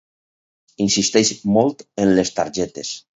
Insisteix molt en les targetes.